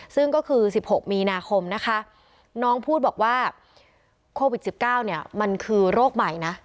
ซึ่งก็คือ๑๖มีนาคมนะคะน้องพูดบอกว่าโควิด๑๙เนี่ยมันคือโรคใหม่นะ